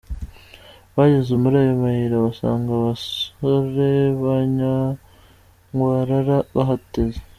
Bageze muri ayo mayira basanga abasore ba Nyankwarara bahateze.